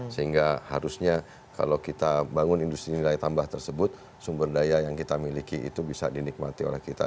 sehingga harusnya kalau kita bangun industri nilai tambah tersebut sumber daya yang kita miliki itu bisa dinikmati oleh kita